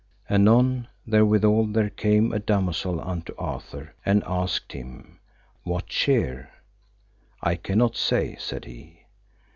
Anon, therewithal there came a damosel unto Arthur, and asked him, What cheer? I cannot say, said he.